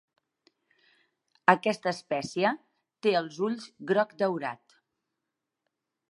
Aquesta espècie té els ulls groc daurat.